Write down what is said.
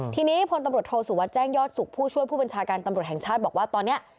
ทีนี้พลตำรวจโทษสุวัสดิแจ้งยอดสุขผู้ช่วยผู้บัญชาการตำรวจแห่งชาติบอกว่าตอนนี้